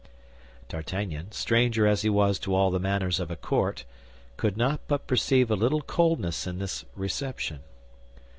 D'Artagnan, stranger as he was to all the manners of a court, could not but perceive a little coldness in this reception.